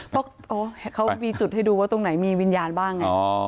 เพราะเขามีจุดให้ดูว่าตรงไหนมีวิญญาณบ้างไง